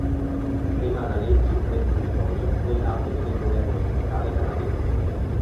Emana leggi nel territorio nell'ambito del governo centrale canadese.